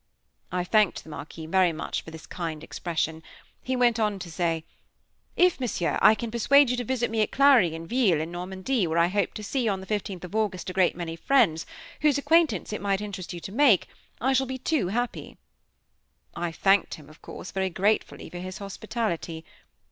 I thanked the Marquis very much for his kind expressions. He went on to say: "If, Monsieur, I can persuade you to visit me at Claironville, in Normandy, where I hope to see, on the 15th of August, a great many friends, whose acquaintance it might interest you to make, I shall be too happy." I thanked him, of course, very gratefully for his hospitality.